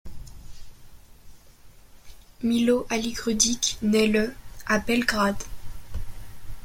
Miloš Aligrudić naît le à Belgrade.